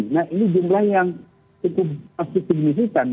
nah ini jumlah yang cukup signifikan